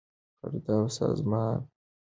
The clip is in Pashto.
فرد او سازمان دواړه مالي ودې ته اړتیا لري.